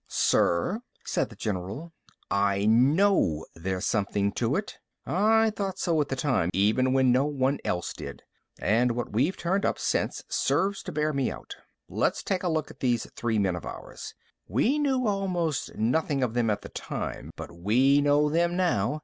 "Sir," said the general, "I know there's something to it. I thought so at the time, even when no one else did. And what we've turned up since serves to bear me out. Let's take a look at these three men of ours. We knew almost nothing of them at the time, but we know them now.